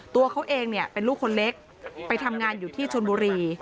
ตัวเขาเองเนี่ยเป็นลูกคนเล็กไปทำงานอยู่ที่ชนบุรี